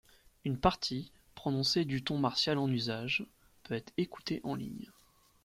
Une partie, prononcée du ton martial en usage, peut être écoutée en ligne.